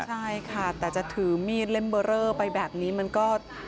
ใช่ค่ะแต่จะถือมีดเล่มเบอร์เรอไปแบบนี้มันก็